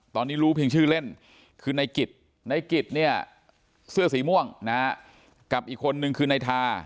ตอนนี้รู้เพียงชื่อเล่นคือนายกิดเสื้อสีม่วงกับอีกคนนึงคือนายทา